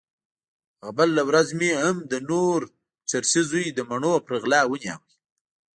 هغه بله ورځ مې هم د نور چرسي زوی د مڼو په غلا ونيو.